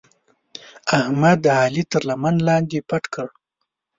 احمد؛ علي تر لمن لاندې پټ کړ.